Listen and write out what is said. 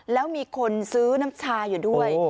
แล้วมีคนซื้อน้ำชาอยู่ด้วย